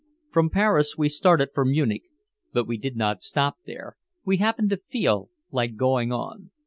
From Paris we started for Munich, but we did not stop there, we happened to feel like going on.